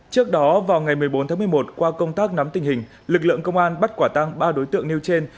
trước đó vào ngày một mươi bốn tháng một mươi một qua công tác nắm tình hình lực lượng công an bắt quả tăng ba đối tượng nêu trên